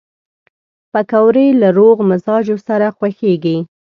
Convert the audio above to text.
پکورې له روغ مزاجو سره خوښېږي